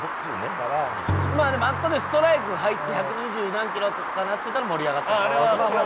まあでもあそこでストライク入って百二十何キロとかなってたら盛り上がってた可能性も。